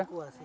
yang kuas ini